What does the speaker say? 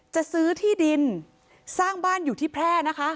จะซื้อที่ดินสร้างบ้านอยู่ที่แพร่นะคะ